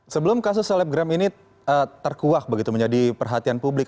sebelum kasus selebgram ini terkuak begitu menjadi perhatian publik